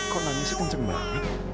kok nangisnya kenceng banget